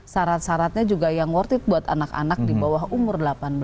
syarat syaratnya juga yang worth it buat anak anak di bawah umur delapan belas